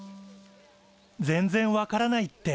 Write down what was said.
全然分からないって。